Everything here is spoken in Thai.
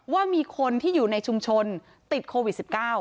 ว่ามีคนที่อยู่ในชุมชนติดโควิด๑๙